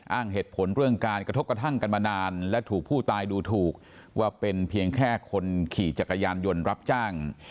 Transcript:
อ้างเหตุผลเรื่องการกระทบกระทั่งกันมานานและถูกผู้ตายดูถูกว่าเป็นเพียงแค่คนขี่จักรยานยนต์รับจ้าง